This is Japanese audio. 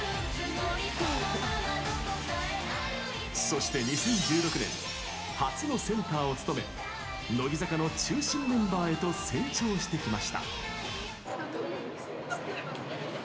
そして２０１６年初のセンターを務め乃木坂の中心メンバーへと成長してきました。